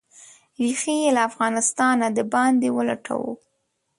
ریښې یې له افغانستانه د باندې ولټوو.